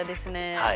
はい。